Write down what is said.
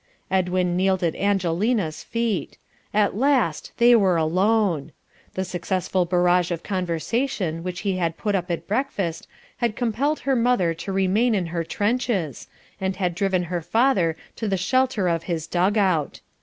Edwin kneeled at Angelina's feet. At last they were alone! The successful barrage of conversation which he had put up at breakfast had compelled her mother to remain in her trenches, and had driven her father to the shelter of his dug out.